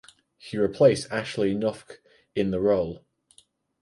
He replaced Ashley Noffke in the role.